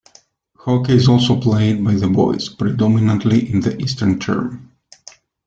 Hockey is also played by the boys, predominately in the Easter term.